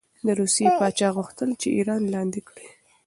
د روسیې پاچا غوښتل چې ایران لاندې کړي.